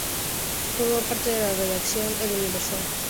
Formó parte de la redacción de "El Universal", "El Nacional" y "El Mundo".